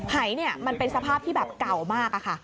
หายเนี้ยมันเป็นสภาพเก่ามากค่ะ